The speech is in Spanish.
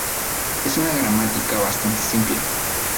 Es una gramática bastante simple.